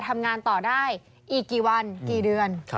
ทำงานต่อได้อีกกี่วันกี่เดือน